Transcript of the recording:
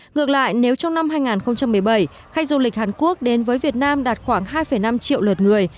ngược lại nếu trong năm hai nghìn một mươi bảy khách du lịch hàn quốc đến với việt nam đạt khoảng hai năm triệu lượt người